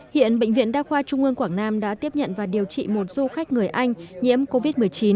hiện bệnh viện đa khoa trung ương quảng nam đã tiếp nhận và điều trị một du khách người anh nhiễm covid một mươi chín